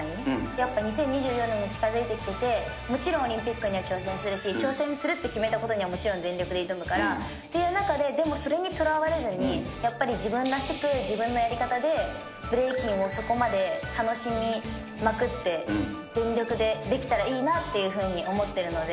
やっぱり２０２４年に近づいてきてて、もちろん、オリンピックには挑戦するし、挑戦するって決めたことにはもちろん全力で挑むからっていう中で、でもそれにとらわれずに、やっぱり自分らしく自分のやり方で、ブレイキンをそこまで楽しみまくって全力でできたらいいなっていうふうに思ってるので。